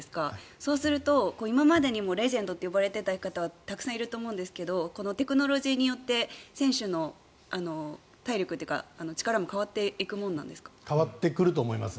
そうすると、今までにもレジェンドと呼ばれていた方はたくさんいると思うんですがテクノロジーによって選手の体力というか力も変わってくると思います。